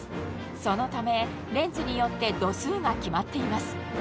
そのためレンズによって度数が決まっています